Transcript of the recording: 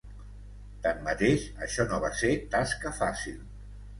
Tanmateix, això no va ser tasca fàcil.